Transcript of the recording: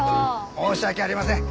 申し訳ありません。